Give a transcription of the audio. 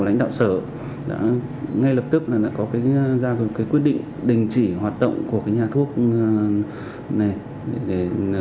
ngay lập tức là đã có quyết định đình chỉ hoạt động của nhà thuốc này